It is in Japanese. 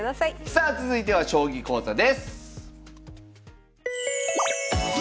さあ続いては将棋講座です。